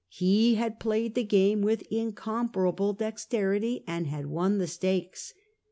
He had played the game with incomparable dexterity, and had won the stakes.